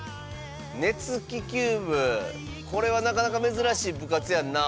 これはなかなか珍しい部活やんなあ？